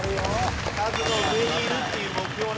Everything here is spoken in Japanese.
カズの上にいるっていう目標ね